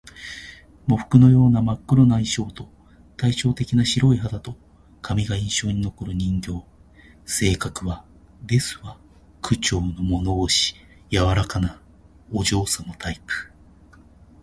喪服のような真っ黒な衣装と、対照的な白い肌と髪が印象に残る人形。性格は「ですわ」口調の物腰柔らかなお嬢様タイプ